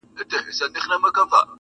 نه سازونه مي مطلب د نيمي شپې دي،